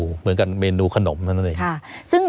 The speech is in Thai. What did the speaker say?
เหมือนกับเมนูขนมนั่นเนี่ย